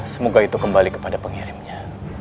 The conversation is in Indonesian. semoga itu kembali kepada pengirimnya